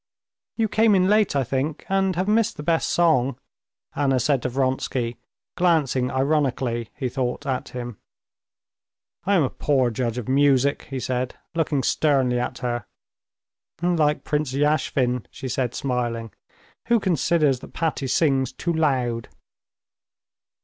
"You came in late, I think, and have missed the best song," Anna said to Vronsky, glancing ironically, he thought, at him. "I am a poor judge of music," he said, looking sternly at her. "Like Prince Yashvin," she said smiling, "who considers that Patti sings too loud."